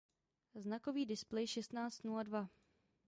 Znakový displej šestnáct nula dva